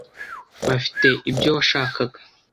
Bafite ibyo washakaga?